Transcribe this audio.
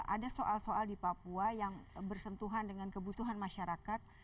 ada soal soal di papua yang bersentuhan dengan kebutuhan masyarakat